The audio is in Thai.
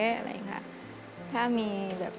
ถ้ามีมีเรื่องงานที่เกี่ยวกับการกุศล